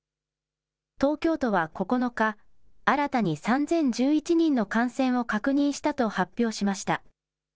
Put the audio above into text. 東京都は９日、新たに３０１１人の感染を確認したと発表しました。